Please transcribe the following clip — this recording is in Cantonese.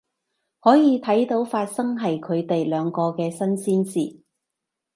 可以睇到發生喺佢哋兩個嘅新鮮事